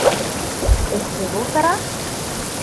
Эсеп ултыра?!